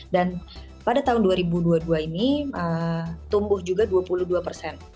dan pada tahun dua ribu dua puluh dua ini tumbuh juga dua puluh dua persen